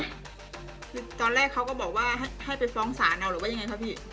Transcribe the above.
คือตอนแรกเขาก็บอกว่าให้ไปฟ้องศาลเอาหรือว่ายังไงครับพี่